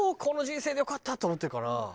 この人生でよかった！と思ってるかな？